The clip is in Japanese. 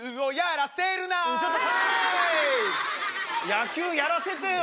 野球やらせてよ。